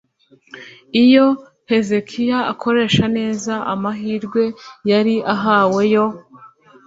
iyo hezekiya akoresha neza amahirwe yari ahawe yo